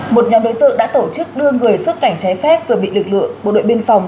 một nhóm đối tượng đã tổ chức đưa người xuất cảnh trái phép vừa bị lực lượng bộ đội biên phòng